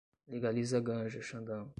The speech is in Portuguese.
Legaliza a ganja, Xandão